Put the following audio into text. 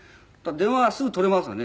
電話はすぐ取れますよね。